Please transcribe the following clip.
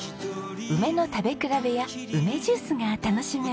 梅の食べ比べや梅ジュースが楽しめます。